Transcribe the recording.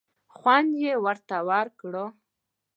خوند یې ورته ورکړ.